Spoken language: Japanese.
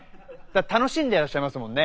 楽しんでらっしゃいますもんね。